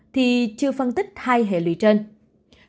thì chưa phân tích hai hệ lụy trở lại